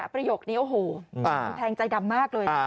ประโยคนี้โอ้โหแทงใจดำมากเลย